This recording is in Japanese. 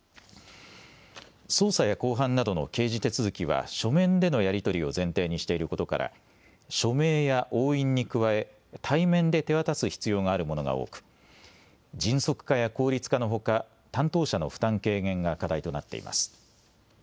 捜査や公判などの刑事手続きは書面でのやり取りを前提にしていることから署名や押印に加え対面で手渡す必要があるものが多く迅速化や効率化のほか担当者の負担軽減が課題となっています。